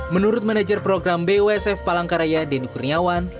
menurut manajer program busf palangkaraya denny kurniawan